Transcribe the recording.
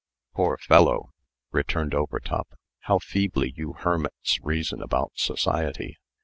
"Poor fellow!" returned Overtop. "How feebly you hermits reason about society!